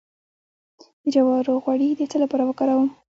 د جوارو غوړي د څه لپاره وکاروم؟